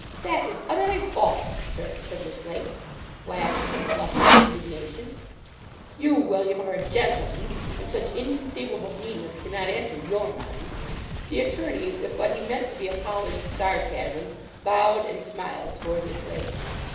'That is utterly false, Sir!' said Miss Lake, flashing and blushing with indignation. 'You, William, are a gentleman; and such inconceivable meanness cannot enter your mind.' The attorney, with what he meant to be a polished sarcasm, bowed and smiled toward Miss Lake.